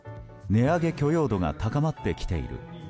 値上げ許容度が高まってきている。